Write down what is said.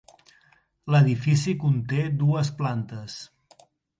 L'edifici conté dues plantes.